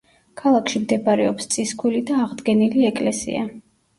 ქალაქში მდებარეობს წისქვილი და აღდგენილი ეკლესია.